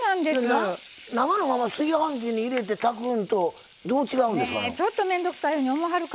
生のまま炊飯器に入れて炊くのと、どう違うんですか？